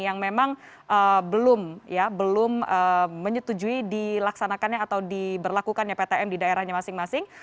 yang memang belum menyetujui dilaksanakannya atau diberlakukannya ptm di daerahnya masing masing